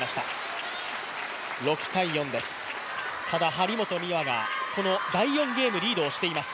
張本美和が第４ゲーム、リードをしています。